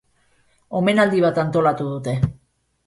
Omenaldi bat antolatu dute.